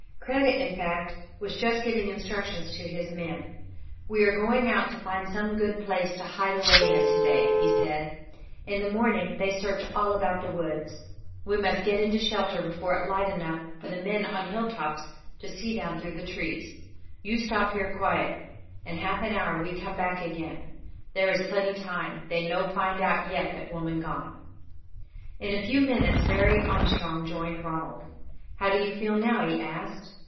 Kreta, in fact, was just giving instructions to his men. "We are going out to find some good place to hide away in to day," he said. "In the morning they search all about the woods. We must get into shelter before it light enough for the men on hill tops to see down through trees. You stop here quiet. In half an hour we come back again. There is plenty time; they no find out yet that woman gone." In a few minutes Mary Armstrong joined Ronald. "How do you feel now?" he asked.